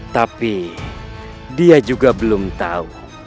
tapi dia juga belum tahu